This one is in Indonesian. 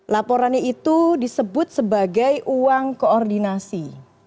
laporannya itu disebut sebagai uang koordinasi